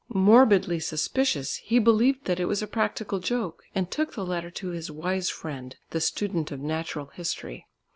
Morbidly suspicious he believed that it was a practical joke, and took the letter to his wise friend the student of Natural History.